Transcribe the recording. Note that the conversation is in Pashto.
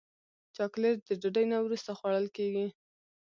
چاکلېټ د ډوډۍ نه وروسته خوړل کېږي.